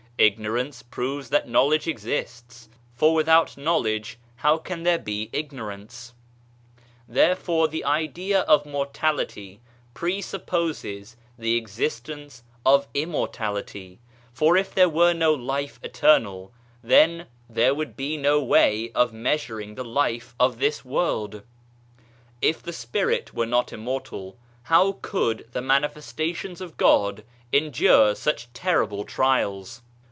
Ignorance proves that knowledge exists, for without knowledge how could there be ignorance ? Therefore the idea of mortality presupposes the existence of immortality for if there were no Life Eternal, there would be no way of measuring the life of this world I If the Spirit were not immortal, how could the Mani festations of God endure such terrible trials